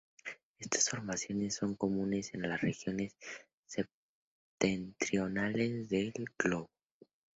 Estas formaciones son comunes en las regiones septentrionales del globo.